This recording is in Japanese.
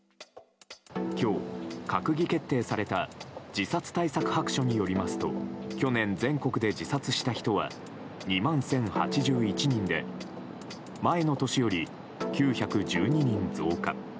今日、閣議決定された自殺対策白書によりますと去年、全国で自殺した人は２万１０８１人で前の年より９１２人増加。